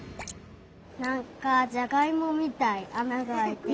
なんかじゃがいもみたいあながあいてて。